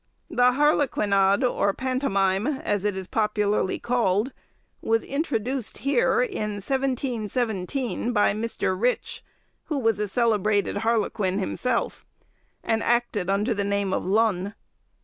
The harlequinade or pantomime, as it is popularly called, was introduced here in 1717, by Mr. Rich, who was a celebrated harlequin himself, and acted under the name of Lun.